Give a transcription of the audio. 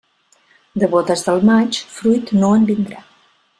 De bodes del maig fruit no en vindrà.